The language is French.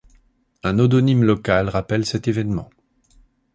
Un odonyme local rappelle cet événement.